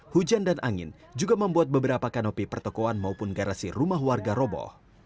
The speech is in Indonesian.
hujan dan angin juga membuat beberapa kanopi pertokoan maupun garasi rumah warga roboh